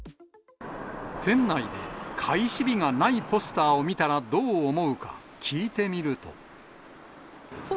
店内で、開始日がないポスターを見たらどう思うか、聞いてみると。